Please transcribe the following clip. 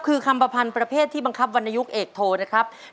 คือคำประพันธ์ประเภทที่บังคับวันนายกเอกโทนะครับ